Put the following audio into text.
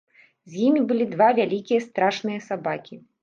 З імі былі два вялікія страшныя сабакі.